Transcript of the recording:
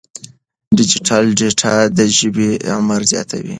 ډیجیټل ډیټا د ژبې عمر زیاتوي.